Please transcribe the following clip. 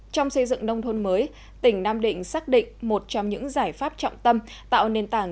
trong xây dựng nông thôn mới tỉnh nam định xác định một trong những giải pháp trọng tâm tạo nền tảng